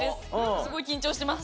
すごい緊張してます。